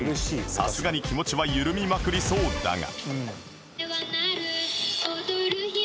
さすがに気持ちは緩みまくりそうだが